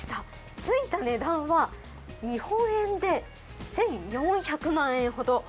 付いた値段は日本円で１４００万円ほど。